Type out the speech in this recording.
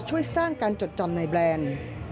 ช่วยสร้างการจดจำในแบรนด์